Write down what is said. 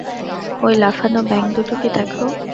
ঐ লাফানো ব্যাঙ দুটো কে দেখো।